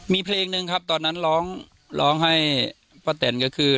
มีเพลงตั้งนั้นครับภายละต้านคือ